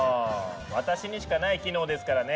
私にしかない機能ですからね。